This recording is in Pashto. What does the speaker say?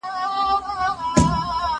زه کولای سم وخت تېرووم